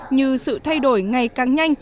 như sự thay đổi ngày càng nhanh